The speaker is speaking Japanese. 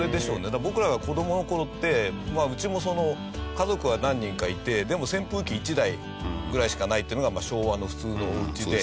だから僕らが子どもの頃ってうちも家族は何人かいてでも扇風機１台ぐらいしかないっていうのが昭和の普通のお家で。